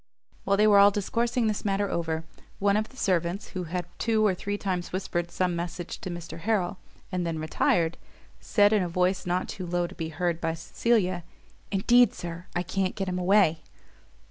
While they were all discoursing this matter over, one of the servants, who had two or three times whispered some message to Mr Harrel, and then retired, said, in a voice not too low to be heard by Cecilia, "Indeed, Sir, I can't get him away."